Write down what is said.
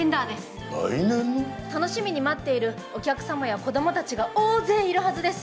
楽しみに待っているお客様や子どもたちが大勢いるはずです。